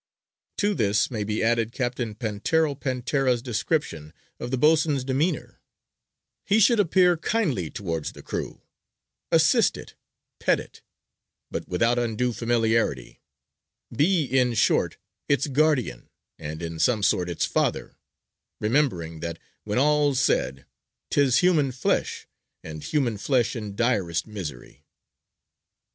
To this may be added Captain Pantero Pantera's description of the boatswain's demeanour: "He should appear kindly towards the crew: assist it, pet it, but without undue familiarity; be, in short, its guardian and in some sort its father, remembering that, when all's said, 'tis human flesh, and human flesh in direst misery."